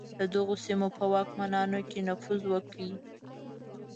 د دغو سیمو په واکمنانو کې نفوذ وکړي.